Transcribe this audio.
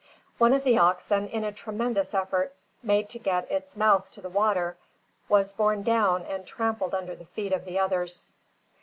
One of the oxen, in a tremendous effort made to get its mouth to the water, was borne down and trampled under the feet of the others.